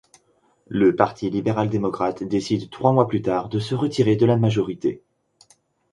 Le Parti libéral-démocrate décide trois mois plus tard de se retirer de la majorité.